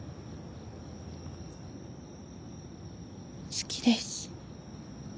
好きです。